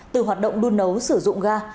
từ hoạt động đun nấu sử dụng ga